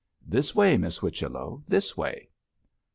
This way, Miss Whichello, this way.'